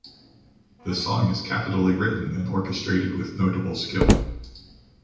The song is capitally written, and orchestrated with notable skill.